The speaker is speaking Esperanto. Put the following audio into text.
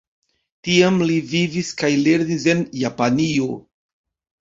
Tiam li vivis kaj lernis en Japanio.